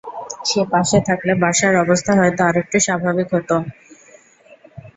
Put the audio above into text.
সে পাশে থাকলে বাসার অবস্থা হয়তো আরেকটু স্বাভাবিক হত।